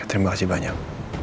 terima kasih banyak